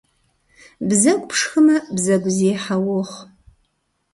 Бзэгу пшхымэ бзэгузехьэ уохъу.